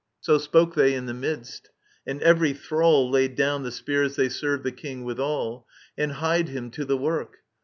So spoke they in the midst. And every thrall Laid down the spears they served the King withal, And hied him to the work.